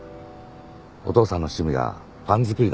お父さんの趣味がパン作りだった事。